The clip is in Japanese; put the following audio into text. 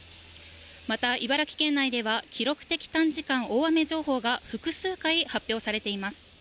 また、茨城県内では、記録的短時間大雨情報が複数回発表されています。